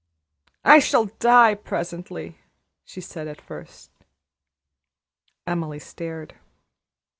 "I shall die presently!" she said at first. Emily stared.